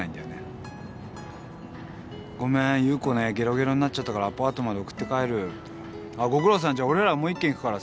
「ごめーんユウコゲロゲロになったからアパートまで送って帰る」「ご苦労さん俺らもう１軒行くからさ」